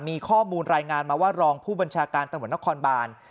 มีข้อมูลรายงานมาว่ารองผู้บัญชาการตะวัดน้องคอนบาน